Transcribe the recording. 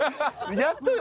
やっとよ！